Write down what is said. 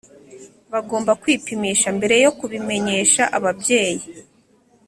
bagomba kwipimisha mbere yo kubimenyesha ababyeyi.